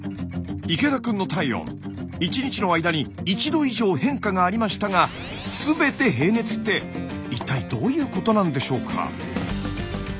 池田くんの体温１日の間に１℃以上変化がありましたが「すべて平熱」って一体どういうことなんでしょうか？